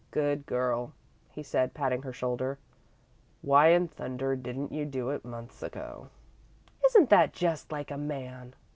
"Good girl," he said, patting her shoulder. "Why in thunder didn't you do it months ago?" "Isn't that just like a man?"